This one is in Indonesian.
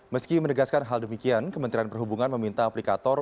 meski menegaskan hal demikian kementerian perhubungan meminta aplikator